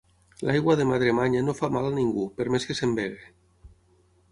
L'aigua de Madremanya no fa mal a ningú, per més que se'n begui.